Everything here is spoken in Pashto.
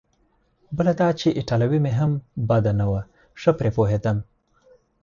بله دا چې ایټالوي مې هم بده نه وه، ښه پرې پوهېدم.